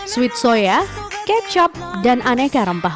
sweet soya kecap dan aneka rempah